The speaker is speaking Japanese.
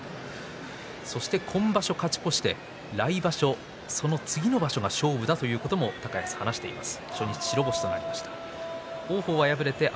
そして今場所勝ち越して来場所、そして次の場所が勝負だという話をしていました。